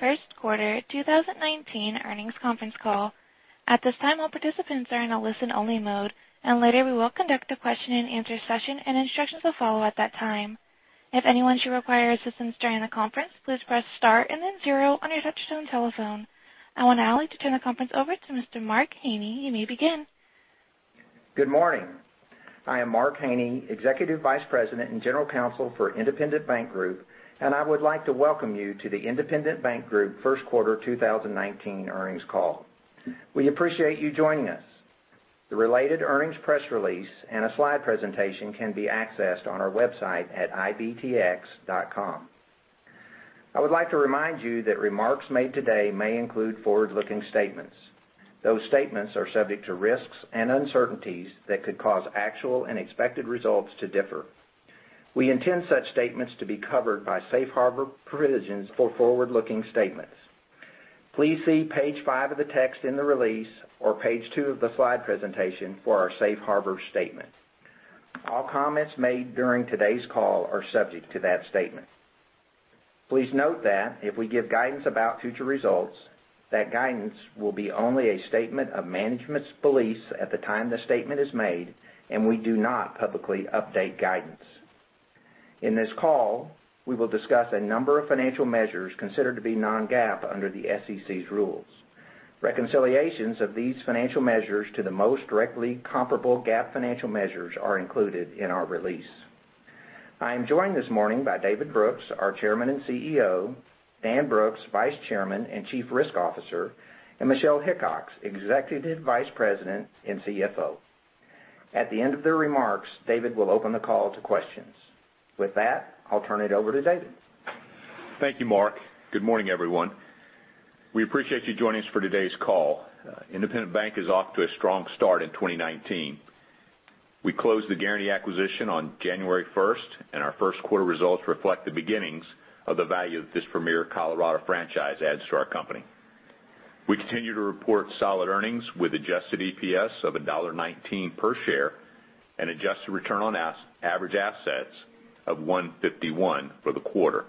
First Quarter 2019 Earnings Conference Call. At this time, all participants are in a listen only mode. Later we will conduct a question and answer session. Instructions will follow at that time. If anyone should require assistance during the conference, please press star and then zero on your touchtone telephone. I would now like to turn the conference over to Mr. Mark Haynie. You may begin. Good morning. I am Mark Haynie, Executive Vice President and General Counsel for Independent Bank Group. I would like to welcome you to the Independent Bank Group First Quarter 2019 earnings call. We appreciate you joining us. The related earnings press release and a slide presentation can be accessed on our website at ibtx.com. I would like to remind you that remarks made today may include forward-looking statements. Those statements are subject to risks and uncertainties that could cause actual and expected results to differ. We intend such statements to be covered by safe harbor provisions for forward-looking statements. Please see page five of the text in the release, or page two of the slide presentation for our safe harbor statement. All comments made during today's call are subject to that statement. Please note that if we give guidance about future results, that guidance will be only a statement of management's beliefs at the time the statement is made. We do not publicly update guidance. In this call, we will discuss a number of financial measures considered to be non-GAAP under the SEC's rules. Reconciliations of these financial measures to the most directly comparable GAAP financial measures are included in our release. I am joined this morning by David Brooks, our Chairman and CEO, Dan Brooks, Vice Chairman and Chief Risk Officer, Michelle Hickox, Executive Vice President and CFO. At the end of their remarks, David will open the call to questions. With that, I'll turn it over to David. Thank you, Mark. Good morning, everyone. We appreciate you joining us for today's call. Independent Bank is off to a strong start in 2019. We closed the Guaranty acquisition on January 1st. Our first quarter results reflect the beginnings of the value that this premier Colorado franchise adds to our company. We continue to report solid earnings with adjusted EPS of $1.19 per share and adjusted return on average assets of 151 for the quarter.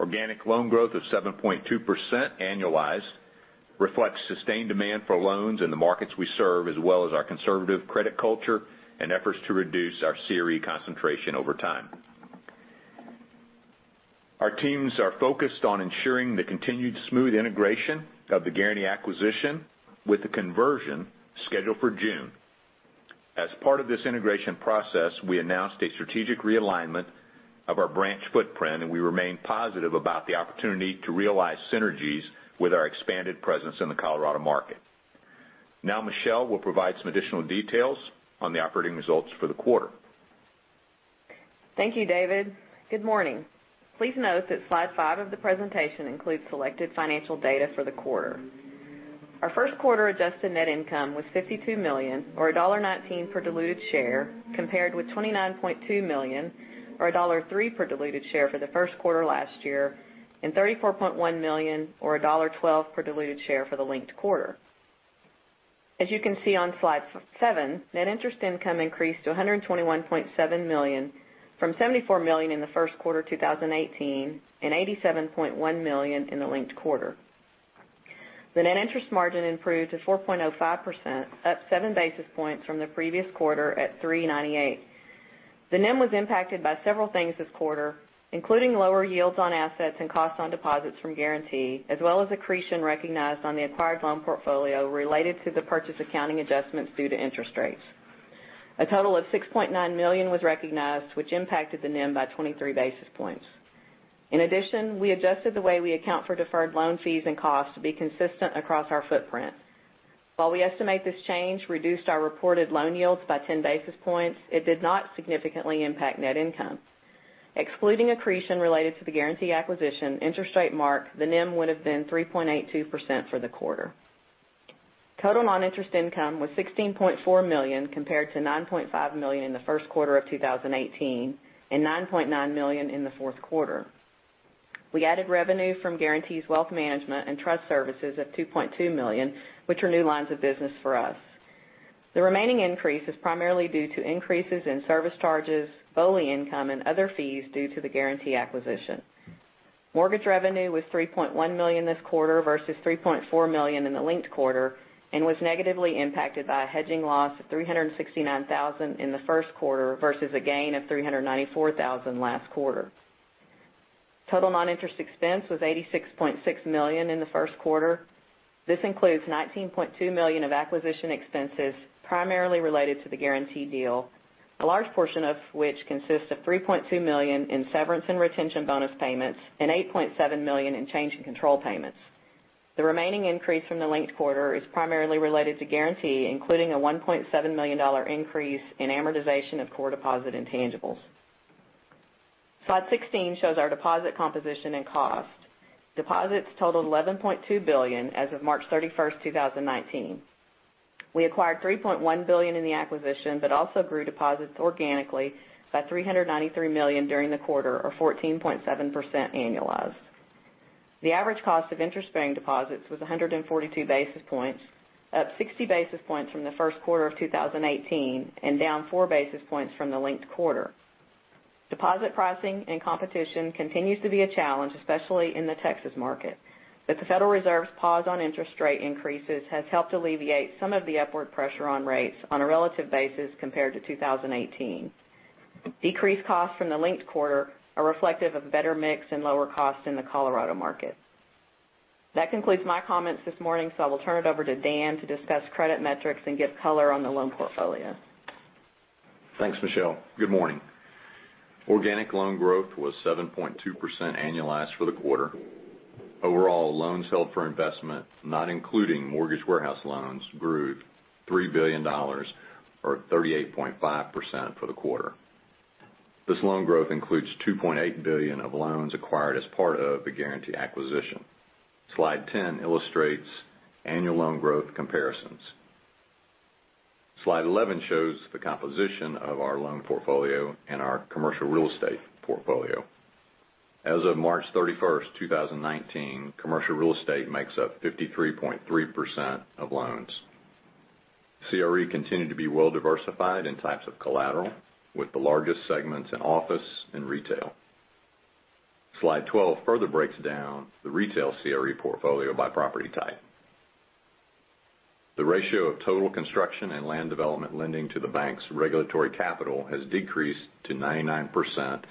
Organic loan growth of 7.2% annualized reflects sustained demand for loans in the markets we serve, as well as our conservative credit culture and efforts to reduce our CRE concentration over time. Our teams are focused on ensuring the continued smooth integration of the Guaranty acquisition with the conversion scheduled for June. As part of this integration process, we announced a strategic realignment of our branch footprint, and we remain positive about the opportunity to realize synergies with our expanded presence in the Colorado market. Now, Michelle will provide some additional details on the operating results for the quarter. Thank you, David. Good morning. Please note that slide five of the presentation includes selected financial data for the quarter. Our first quarter adjusted net income was $52 million, or $1.19 per diluted share, compared with $29.2 million or $1.03 per diluted share for the first quarter last year, and $34.1 million or $1.12 per diluted share for the linked quarter. As you can see on slide seven, net interest income increased to $121.7 million from $74 million in the first quarter 2018, and $87.1 million in the linked quarter. The net interest margin improved to 4.05%, up seven basis points from the previous quarter at 3.98%. The NIM was impacted by several things this quarter, including lower yields on assets and costs on deposits from Guaranty, as well as accretion recognized on the acquired loan portfolio related to the purchase accounting adjustments due to interest rates. A total of $6.9 million was recognized, which impacted the NIM by 23 basis points. In addition, we adjusted the way we account for deferred loan fees and costs to be consistent across our footprint. While we estimate this change reduced our reported loan yields by 10 basis points, it did not significantly impact net income. Excluding accretion related to the Guaranty acquisition, interest rate mark, the NIM would have been 3.82% for the quarter. Total non-interest income was $16.4 million, compared to $9.5 million in the first quarter of 2018 and $9.9 million in the fourth quarter. We added revenue from Guaranty's wealth management and trust services of $2.2 million, which are new lines of business for us. The remaining increase is primarily due to increases in service charges, fee income, and other fees due to the Guaranty acquisition. Mortgage revenue was $3.1 million this quarter versus $3.4 million in the linked quarter and was negatively impacted by a hedging loss of $369,000 in the first quarter versus a gain of $394,000 last quarter. Total non-interest expense was $86.6 million in the first quarter. This includes $19.2 million of acquisition expenses primarily related to the Guaranty deal, a large portion of which consists of $3.2 million in severance and retention bonus payments and $8.7 million in change in control payments. The remaining increase from the linked quarter is primarily related to Guaranty, including a $1.7 million increase in amortization of core deposit intangibles. Slide 16 shows our deposit composition and cost. Deposits totaled $11.2 billion as of March 31st, 2019. We acquired $3.1 billion in the acquisition but also grew deposits organically by $393 million during the quarter, or 14.7% annualized. The average cost of interest-bearing deposits was 142 basis points, up 60 basis points from the first quarter of 2018 and down four basis points from the linked quarter. Deposit pricing and competition continues to be a challenge, especially in the Texas market. The Federal Reserve's pause on interest rate increases has helped alleviate some of the upward pressure on rates on a relative basis compared to 2018. Decreased costs from the linked quarter are reflective of better mix and lower cost in the Colorado market. That concludes my comments this morning, so I will turn it over to Dan to discuss credit metrics and give color on the loan portfolio. Thanks, Michelle. Good morning. Organic loan growth was 7.2% annualized for the quarter. Overall, loans held for investment, not including mortgage warehouse loans, grew $3 billion, or 38.5% for the quarter. This loan growth includes $2.8 billion of loans acquired as part of the Guaranty acquisition. Slide 10 illustrates annual loan growth comparisons. Slide 11 shows the composition of our loan portfolio and our commercial real estate portfolio. As of March 31st, 2019, commercial real estate makes up 53.3% of loans. CRE continued to be well-diversified in types of collateral, with the largest segments in office and retail. Slide 12 further breaks down the retail CRE portfolio by property type. The ratio of total construction and land development lending to the bank's regulatory capital has decreased to 99%,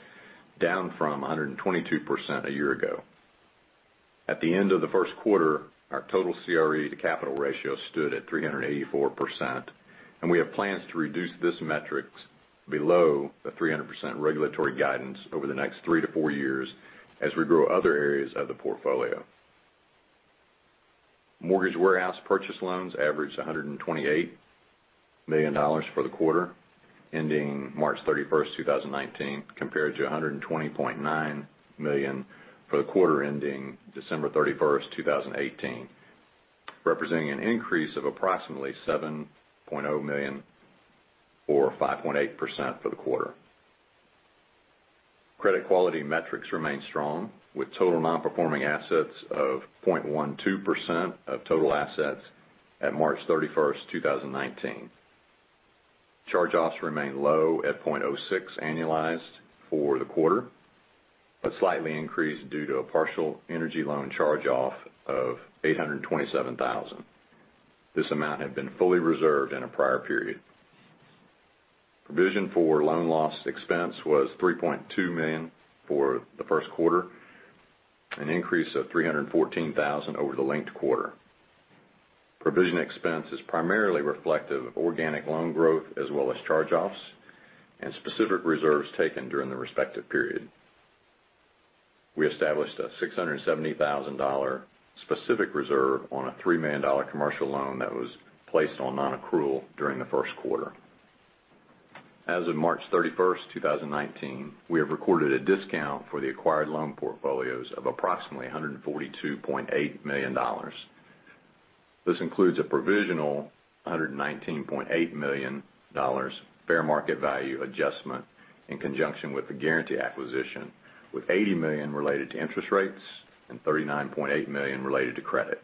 down from 122% a year ago. At the end of the first quarter, our total CRE to capital ratio stood at 384%, and we have plans to reduce this metrics below the 300% regulatory guidance over the next three to four years as we grow other areas of the portfolio. Mortgage warehouse purchase loans averaged $128 million for the quarter ending March 31st, 2019, compared to $120.9 million for the quarter ending December 31st, 2018, representing an increase of approximately $7.0 million, or 5.8% for the quarter. Credit quality metrics remain strong, with total non-performing assets of 0.12% of total assets at March 31st, 2019. Charge-offs remain low at 0.06% annualized for the quarter, but slightly increased due to a partial energy loan charge-off of $827,000. This amount had been fully reserved in a prior period. Provision for loan loss expense was $3.2 million for the first quarter, an increase of $314,000 over the linked quarter. Provision expense is primarily reflective of organic loan growth as well as charge-offs and specific reserves taken during the respective period. We established a $670,000 specific reserve on a $3 million commercial loan that was placed on non-accrual during the first quarter. As of March 31st, 2019, we have recorded a discount for the acquired loan portfolios of approximately $142.8 million. This includes a provisional $119.8 million fair market value adjustment in conjunction with the Guaranty acquisition, with $80 million related to interest rates and $39.8 million related to credit.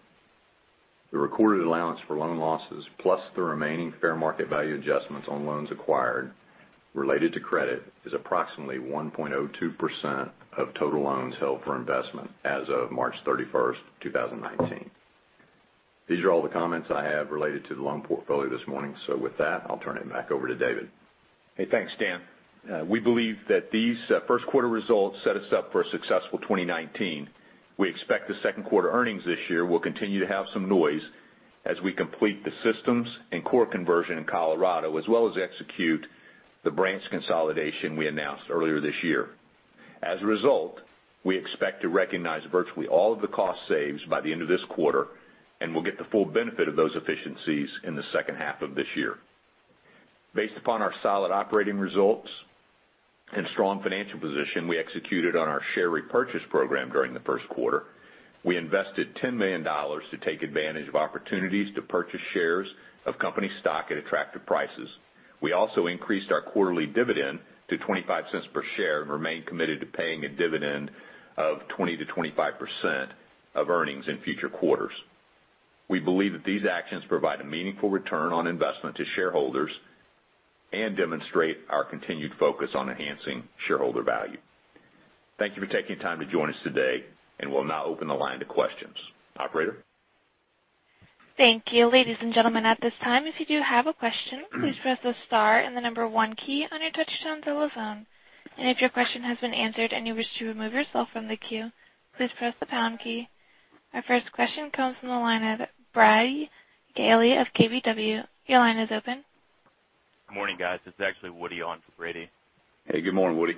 The recorded allowance for loan losses, plus the remaining fair market value adjustments on loans acquired related to credit, is approximately 1.02% of total loans held for investment as of March 31st, 2019. These are all the comments I have related to the loan portfolio this morning. With that, I'll turn it back over to David. Hey, thanks, Dan. We believe that these first quarter results set us up for a successful 2019. We expect the second quarter earnings this year will continue to have some noise as we complete the systems and core conversion in Colorado, as well as execute the branch consolidation we announced earlier this year. As a result, we expect to recognize virtually all of the cost saves by the end of this quarter, and we'll get the full benefit of those efficiencies in the second half of this year. Based upon our solid operating results and strong financial position, we executed on our share repurchase program during the first quarter. We invested $10 million to take advantage of opportunities to purchase shares of company stock at attractive prices. We also increased our quarterly dividend to $0.25 per share and remain committed to paying a dividend of 20%-25% of earnings in future quarters. We believe that these actions provide a meaningful return on investment to shareholders and demonstrate our continued focus on enhancing shareholder value. Thank you for taking time to join us today. We'll now open the line to questions. Operator? Thank you. Ladies and gentlemen, at this time, if you do have a question, please press the star and the number one key on your touch-tone telephone. If your question has been answered and you wish to remove yourself from the queue, please press the pound key. Our first question comes from the line of Brady Gailey of KBW. Your line is open. Morning, guys. This is actually Woody on for Brady. Hey, good morning, Woody.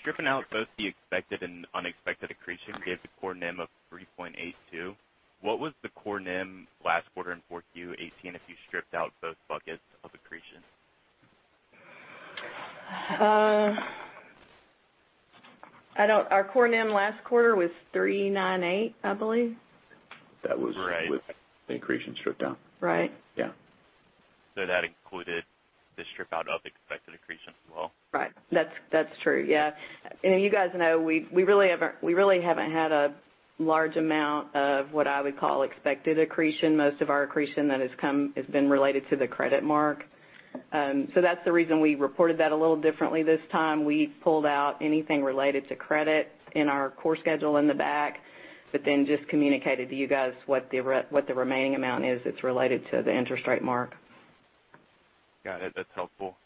Stripping out both the expected and unexpected accretion gave the core NIM of 3.82. What was the core NIM last quarter in 4Q 2018 if you stripped out both buckets of accretion? I don't. Our core NIM last quarter was 3.98, I believe. That was with the accretion strip-down. Right. Yeah. That included the strip-out of expected accretion as well? Right. That's true, yeah. You guys know we really haven't had a large amount of what I would call expected accretion. Most of our accretion that has come has been related to the credit mark. That's the reason we reported that a little differently this time. We pulled out anything related to credit in our core schedule in the back, just communicated to you guys what the remaining amount is that's related to the interest rate mark. Got it. That's helpful.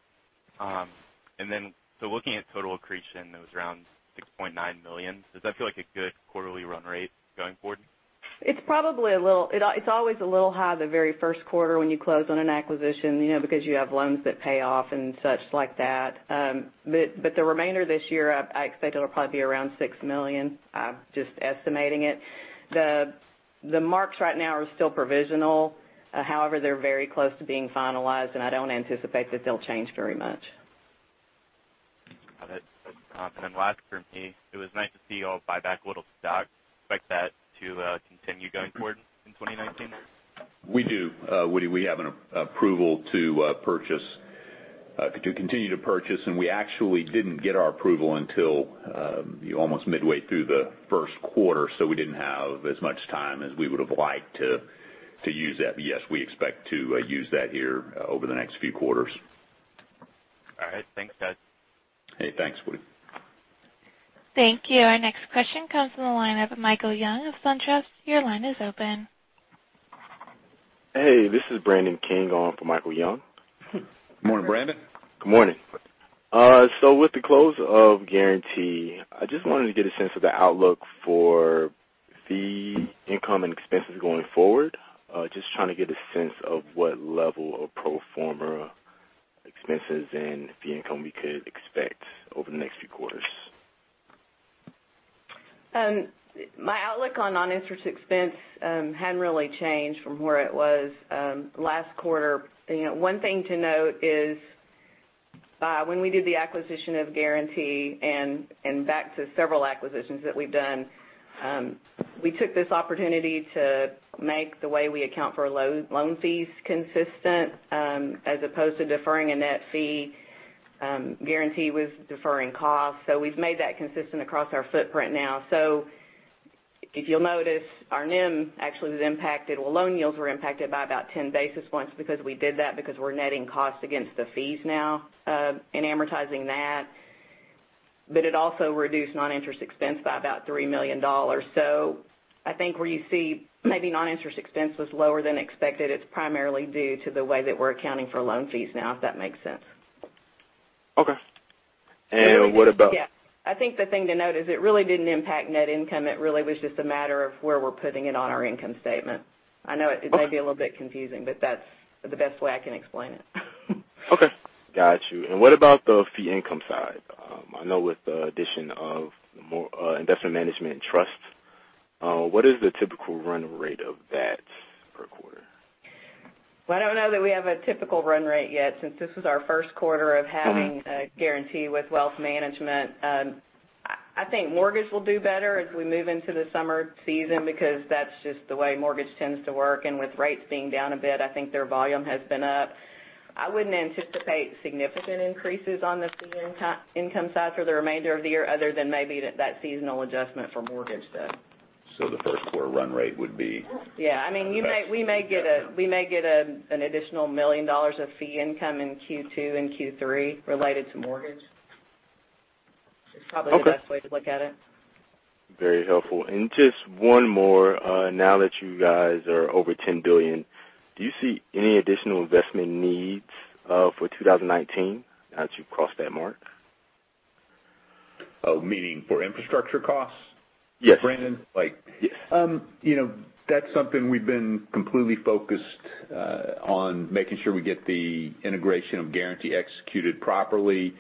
Looking at total accretion, it was around $6.9 million. Does that feel like a good quarterly run rate going forward? It's always a little high the very first quarter when you close on an acquisition, because you have loans that pay off and such like that. The remainder of this year, I expect it'll probably be around $6 million. I'm just estimating it. The marks right now are still provisional. However, they're very close to being finalized, and I don't anticipate that they'll change very much. Got it. Last for me, it was nice to see you all buy back a little stock. Do you expect that to continue going forward in 2019? We do, Woody. We have an approval to continue to purchase. We actually didn't get our approval until almost midway through the first quarter, so we didn't have as much time as we would've liked to use that. Yes, we expect to use that here over the next few quarters. All right. Thanks, guys. Hey, thanks, Woody. Thank you. Our next question comes from the line of Michael Young of SunTrust. Your line is open. Hey, this is Brandon King on for Michael Young. Morning, Brandon. Good morning. With the close of Guaranty, I just wanted to get a sense of the outlook for fee income and expenses going forward. Just trying to get a sense of what level of pro forma expenses and fee income we could expect over the next few quarters. My outlook on non-interest expense hadn't really changed from where it was last quarter. One thing to note is when we did the acquisition of Guaranty, and back to several acquisitions that we've done, we took this opportunity to make the way we account for loan fees consistent, as opposed to deferring a net fee. Guaranty was deferring costs. We've made that consistent across our footprint now. If you'll notice, our NIM actually was impacted, well, loan yields were impacted by about 10 basis points because we did that because we're netting costs against the fees now and amortizing that. It also reduced non-interest expense by about $3 million. I think where you see maybe non-interest expense was lower than expected, it's primarily due to the way that we're accounting for loan fees now, if that makes sense. Okay. What about- Yeah. I think the thing to note is it really didn't impact net income. It really was just a matter of where we're putting it on our income statement. I know it may be a little bit confusing, but that's the best way I can explain it. Okay. Got you. What about the fee income side? I know with the addition of investment management and trust, what is the typical run rate of that per quarter? Well, I don't know that we have a typical run rate yet since this was our first quarter of having Guaranty with wealth management. I think mortgage will do better as we move into the summer season because that's just the way mortgage tends to work, and with rates being down a bit, I think their volume has been up. I wouldn't anticipate significant increases on the fee income side for the remainder of the year, other than maybe that seasonal adjustment for mortgage, though. The first quarter run rate would be. Yeah. We may get an additional $1 million of fee income in Q2 and Q3 related to mortgage. Okay. Is probably the best way to look at it. Very helpful. Just one more. Now that you guys are over $10 billion, do you see any additional investment needs for 2019 now that you've crossed that mark? Meaning for infrastructure costs. Yes Brandon? Yes. That's something we've been completely focused on making sure we get the integration of Guaranty executed properly.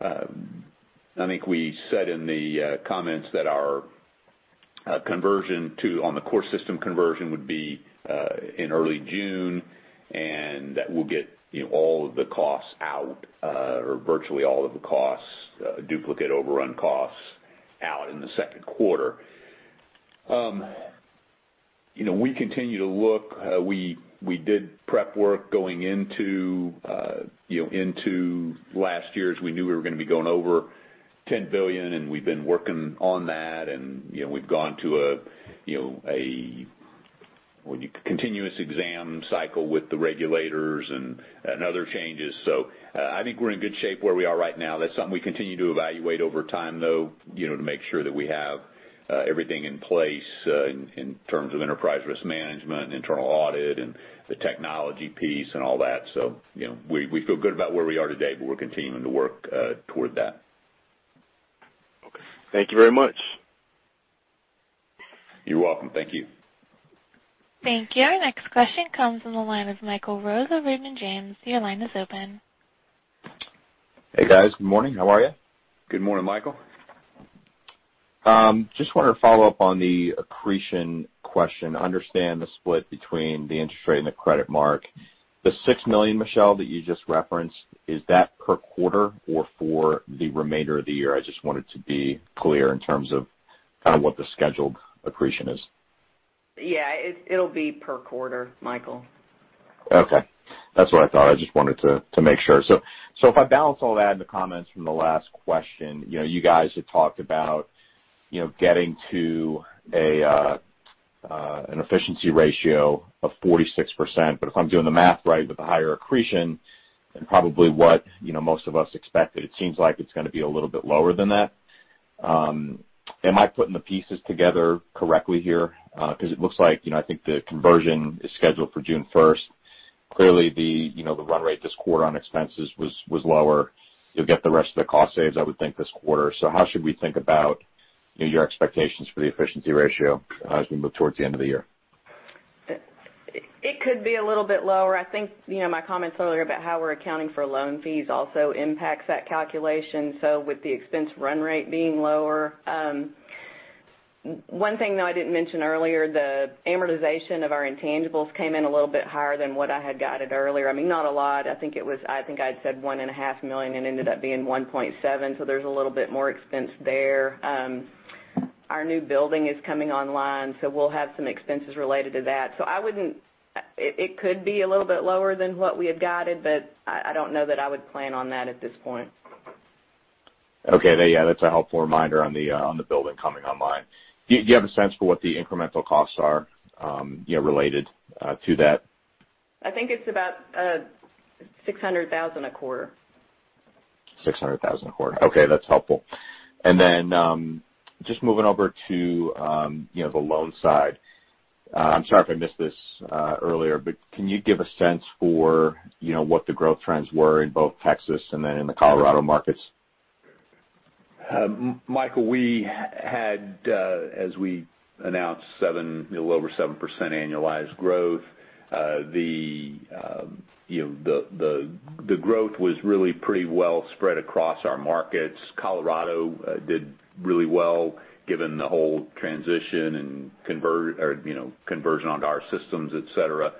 I think we said in the comments that our conversion on the core system conversion would be in early June, and that we'll get all of the costs out, or virtually all of the costs, duplicate overrun costs out in the second quarter. We continue to look. We did prep work going into last year as we knew we were going to be going over $10 billion, and we've been working on that, and we've gone to a continuous exam cycle with the regulators and other changes. I think we're in good shape where we are right now. That's something we continue to evaluate over time, though, to make sure that we have everything in place in terms of enterprise risk management, internal audit, and the technology piece and all that. We feel good about where we are today, but we're continuing to work toward that. Okay. Thank you very much. You're welcome. Thank you. Thank you. Our next question comes from the line of Michael Rose of Raymond James. Your line is open. Hey, guys. Good morning. How are you? Good morning, Michael. Just wanted to follow up on the accretion question. Understand the split between the interest rate and the credit mark. The $6 million, Michelle, that you just referenced, is that per quarter or for the remainder of the year? I just wanted to be clear in terms of kind of what the scheduled accretion is. Yeah, it'll be per quarter, Michael. Okay. That's what I thought. I just wanted to make sure. If I balance all that and the comments from the last question, you guys had talked about getting to an efficiency ratio of 46%, but if I'm doing the math right with the higher accretion than probably what most of us expected, it seems like it's going to be a little bit lower than that. Am I putting the pieces together correctly here? It looks like, I think the conversion is scheduled for June 1st. Clearly, the run rate this quarter on expenses was lower. You'll get the rest of the cost saves, I would think, this quarter. How should we think about your expectations for the efficiency ratio as we move towards the end of the year? It could be a little bit lower. I think, my comments earlier about how we're accounting for loan fees also impacts that calculation. With the expense run rate being lower, one thing that I didn't mention earlier, the amortization of our intangibles came in a little bit higher than what I had guided earlier. I mean, not a lot. I think I'd said $1.5 million and ended up being $1.7 million, so there's a little bit more expense there. Our new building is coming online, so we'll have some expenses related to that. It could be a little bit lower than what we had guided, but I don't know that I would plan on that at this point. Okay. Yeah, that's a helpful reminder on the building coming online. Do you have a sense for what the incremental costs are related to that? I think it's about $600,000 a quarter. $600,000 a quarter. Okay, that's helpful. Just moving over to the loan side. I'm sorry if I missed this earlier, can you give a sense for what the growth trends were in both Texas and then in the Colorado markets? Michael, we had, as we announced, a little over 7% annualized growth. The growth was really pretty well spread across our markets. Colorado did really well, given the whole transition and conversion onto our systems, et cetera.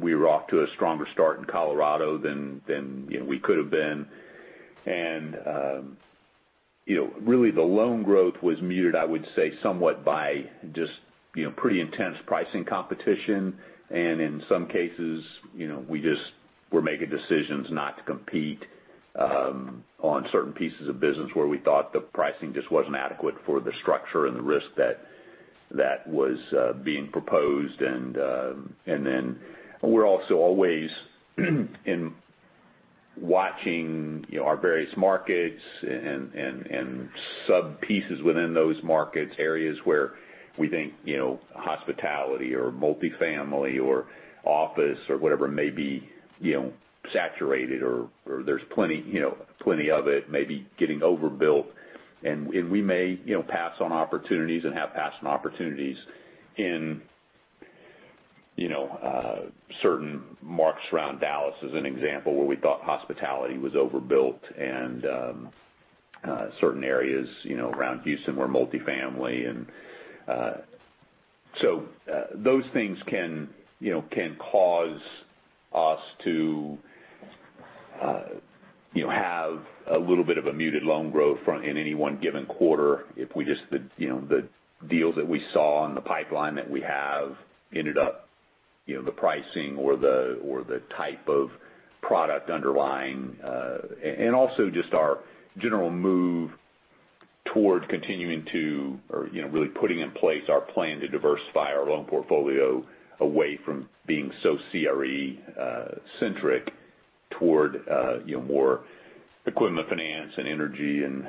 We were off to a stronger start in Colorado than we could've been. Really the loan growth was muted, I would say, somewhat by just pretty intense pricing competition. In some cases, we just were making decisions not to compete on certain pieces of business where we thought the pricing just wasn't adequate for the structure and the risk that was being proposed. We're also always in watching our various markets and sub-pieces within those markets, areas where we think hospitality or multifamily or office or whatever may be saturated or there's plenty of it maybe getting overbuilt. We may pass on opportunities and have passed on opportunities in certain markets around Dallas as an example, where we thought hospitality was overbuilt and certain areas around Houston where multifamily. Those things can cause us to have a little bit of a muted loan growth in any one given quarter. If the deals that we saw in the pipeline that we have ended up the pricing or the type of product underlying, also just our general move toward continuing to, or really putting in place our plan to diversify our loan portfolio away from being so CRE centric toward more equipment finance and energy and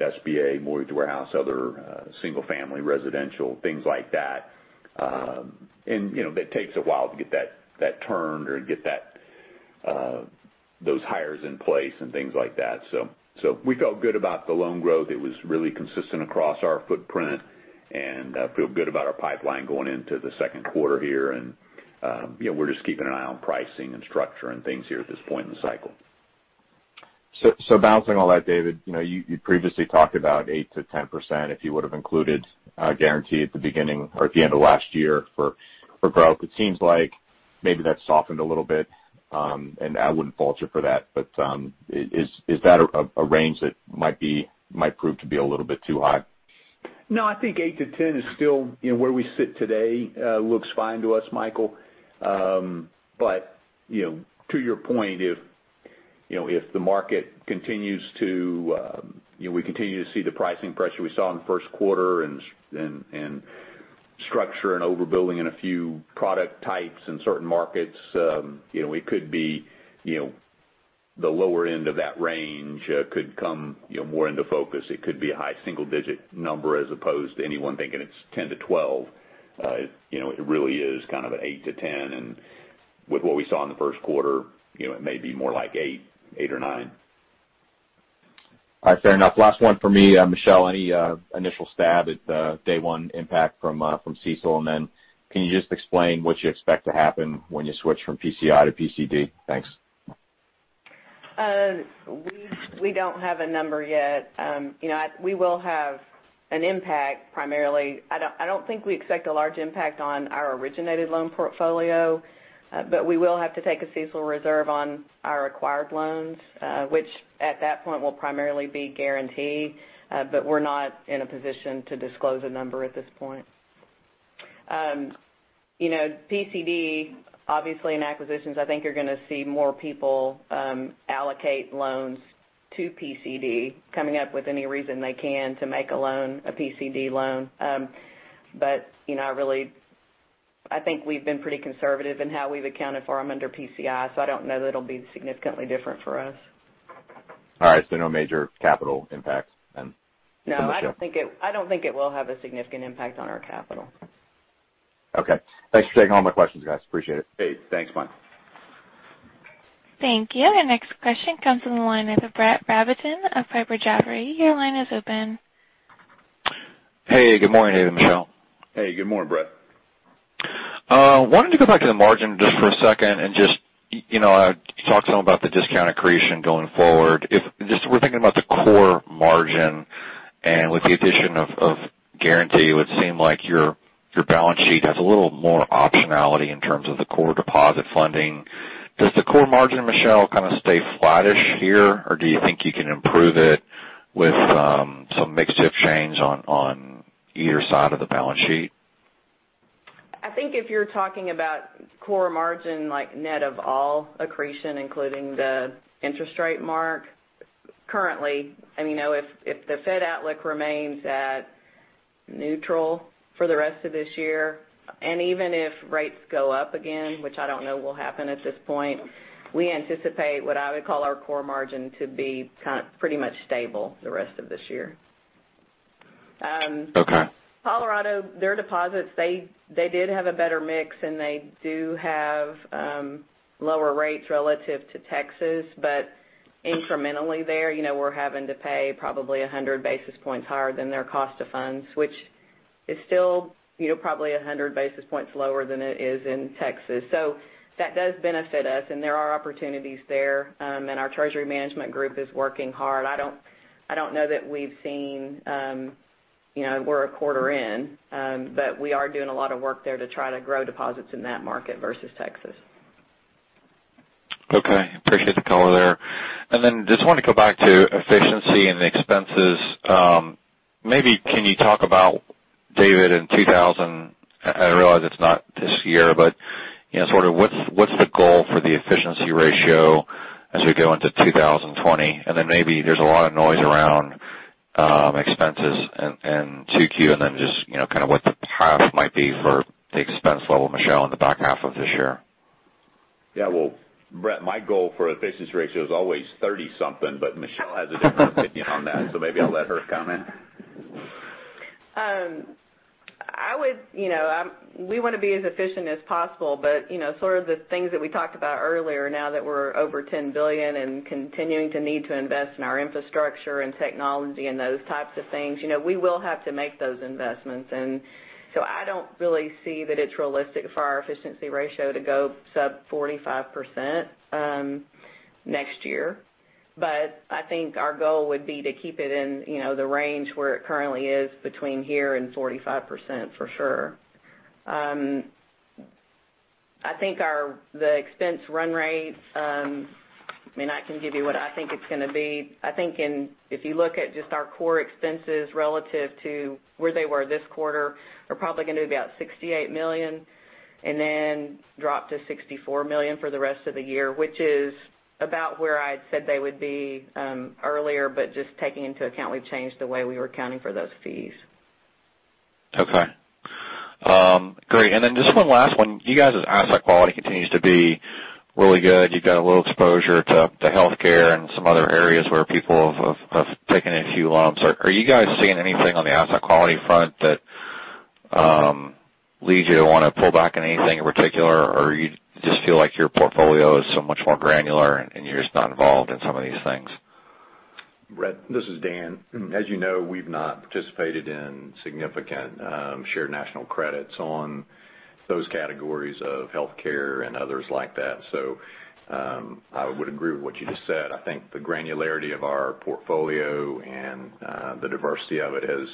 SBA mortgage warehouse, other single-family residential, things like that. That takes a while to get that turned or get those hires in place and things like that. We felt good about the loan growth. It was really consistent across our footprint and feel good about our pipeline going into the second quarter here. We're just keeping an eye on pricing and structure and things here at this point in the cycle. Balancing all that, David, you previously talked about 8%-10% if you would've included a Guaranty at the beginning or at the end of last year for growth. It seems like maybe that's softened a little bit, and I wouldn't fault you for that. Is that a range that might prove to be a little bit too high? No, I think 8%-10% is still where we sit today looks fine to us, Michael. To your point, if we continue to see the pricing pressure we saw in the first quarter and structure and overbuilding in a few product types in certain markets, it could be the lower end of that range could come more into focus. It could be a high single digit number as opposed to anyone thinking it's 10%-12%. It really is kind of an 8%-10%. With what we saw in the first quarter, it may be more like 8% or 9%. All right, fair enough. Last one for me. Michelle, any initial stab at the day one impact from CECL? Can you just explain what you expect to happen when you switch from PCI to PCD? Thanks. We don't have a number yet. We will have an impact primarily. I don't think we expect a large impact on our originated loan portfolio. We will have to take a CECL reserve on our acquired loans, which at that point will primarily be Guaranty. We're not in a position to disclose a number at this point. PCD. Obviously in acquisitions, I think you're going to see more people allocate loans to PCD coming up with any reason they can to make a PCD loan. I think we've been pretty conservative in how we've accounted for them under PCI, so I don't know that it'll be significantly different for us. All right. No major capital impact then? No, I don't think it will have a significant impact on our capital. Okay. Thanks for taking all my questions, guys. Appreciate it. Hey, thanks, Mike. Thank you. Our next question comes from the line of Brody Preston of Piper Jaffray. Your line is open. Hey, good morning, David and Michelle. Hey, good morning, Brody. Just we're thinking about the core margin and with the addition of Guaranty, it would seem like your balance sheet has a little more optionality in terms of the core deposit funding. Does the core margin, Michelle, kind of stay flattish here, or do you think you can improve it with some mix shift change on either side of the balance sheet? I think if you're talking about core margin, like net of all accretion, including the interest rate mark currently, if the Fed outlook remains at neutral for the rest of this year, even if rates go up again, which I don't know will happen at this point, we anticipate what I would call our core margin to be pretty much stable the rest of this year. Okay. Colorado, their deposits, they did have a better mix, they do have lower rates relative to Texas. Incrementally there, we're having to pay probably 100 basis points higher than their cost of funds, which is still probably 100 basis points lower than it is in Texas. That does benefit us, there are opportunities there. Our treasury management group is working hard. I don't know that we've seen. We're a quarter in, but we are doing a lot of work there to try to grow deposits in that market versus Texas. Okay. Appreciate the color there. Just want to go back to efficiency and expenses. Maybe can you talk about, David, I realize it's not this year, but sort of what's the goal for the efficiency ratio as we go into 2020? Maybe there's a lot of noise around expenses in 2Q, just kind of what the path might be for the expense level, Michelle, in the back half of this year. Yeah. Well, Brody, my goal for efficiency ratio is always 30 something, Michelle has a different opinion on that, maybe I'll let her comment. We want to be as efficient as possible. Sort of the things that we talked about earlier, now that we're over $10 billion and continuing to need to invest in our infrastructure and technology and those types of things, we will have to make those investments. I don't really see that it's realistic for our efficiency ratio to go sub 45% next year. I think our goal would be to keep it in the range where it currently is between here and 45% for sure. I think the expense run rate, I can give you what I think it's going to be. I think if you look at just our core expenses relative to where they were this quarter, they're probably going to be about $68 million and then drop to $64 million for the rest of the year, which is about where I'd said they would be earlier. Just taking into account, we've changed the way we were accounting for those fees. Okay. Great. Just one last one. You guys' asset quality continues to be really good. You've got a little exposure to healthcare and some other areas where people have taken a few lumps. Are you guys seeing anything on the asset quality front that leads you to want to pull back on anything in particular, or you just feel like your portfolio is so much more granular and you're just not involved in some of these things? Brett, this is Dan. As you know, we've not participated in significant shared national credits on those categories of healthcare and others like that. I would agree with what you just said. I think the granularity of our portfolio and the diversity of it has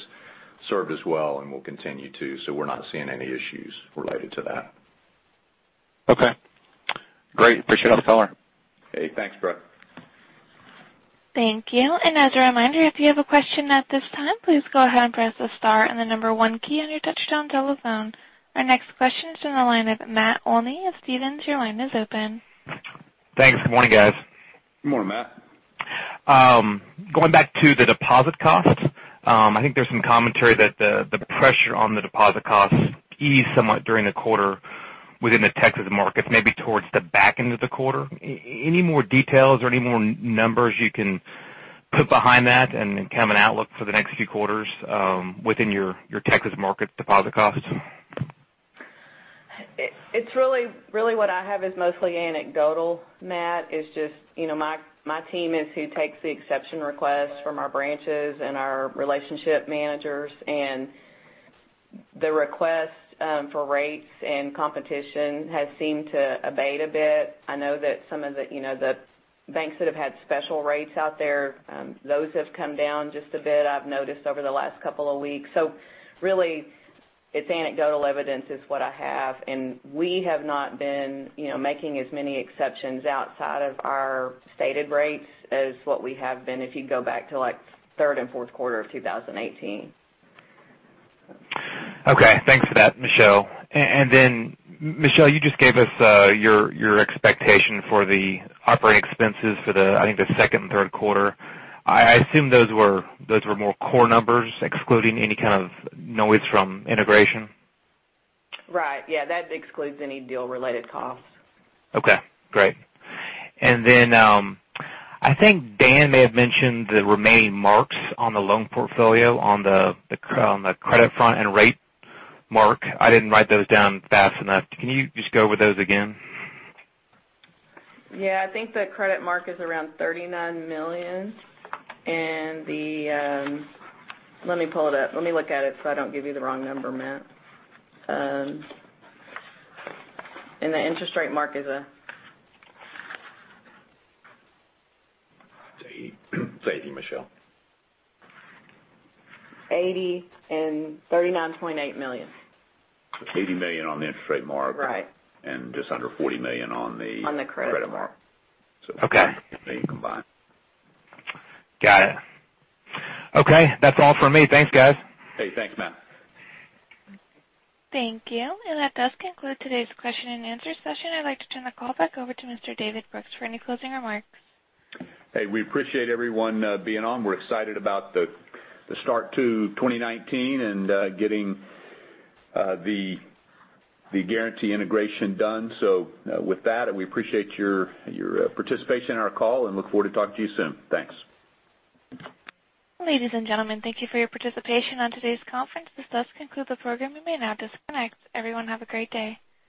served us well and will continue to, we're not seeing any issues related to that. Okay, great. Appreciate the color. Hey, thanks, Brett. Thank you. As a reminder, if you have a question at this time, please go ahead and press the star and the number 1 key on your touchtone telephone. Our next question is from the line of Matt Olney of Stephens. Your line is open. Thanks. Good morning, guys. Good morning, Matt. Going back to the deposit costs, I think there's some commentary that the pressure on the deposit costs eased somewhat during the quarter within the Texas markets, maybe towards the back end of the quarter. Any more details or any more numbers you can put behind that and kind of an outlook for the next few quarters within your Texas market deposit costs? Really what I have is mostly anecdotal, Matt. My team is who takes the exception requests from our branches and our relationship managers, the request for rates and competition has seemed to abate a bit. I know that some of the banks that have had special rates out there, those have come down just a bit, I've noticed over the last couple of weeks. Really, it's anecdotal evidence is what I have, and we have not been making as many exceptions outside of our stated rates as what we have been if you go back to third and fourth quarter of 2018. Okay. Thanks for that, Michelle. Then Michelle, you just gave us your expectation for the operating expenses for the, I think, the second and third quarter. I assume those were more core numbers, excluding any kind of noise from integration. Right. Yeah. That excludes any deal-related costs. Okay, great. Then I think Dan may have mentioned the remaining marks on the loan portfolio on the credit front and rate mark. I didn't write those down fast enough. Can you just go over those again? Yeah. I think the credit mark is around $39 million. Let me pull it up. Let me look at it so I don't give you the wrong number, Matt. The interest rate mark is a It's $80, Michelle. $80 and $39.8 million. $80 million on the interest rate mark. Right. just under $40 million on the. On the credit mark. Credit mark. Okay. $40 million combined. Got it. Okay. That's all for me. Thanks, guys. Hey, thanks, Matt. Thank you. That does conclude today's question and answer session. I'd like to turn the call back over to Mr. David Brooks for any closing remarks. Hey, we appreciate everyone being on. We're excited about the start to 2019 and getting the Guaranty integration done. With that, we appreciate your participation in our call and look forward to talking to you soon. Thanks. Ladies and gentlemen, thank you for your participation on today's conference. This does conclude the program. You may now disconnect. Everyone have a great day.